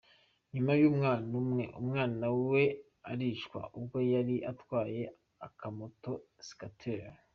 Nyuma y’ umwana umwe umwana we aricwa ubwo yari atwaye akamoto ‘scooter’.